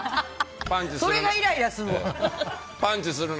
それがイライラする。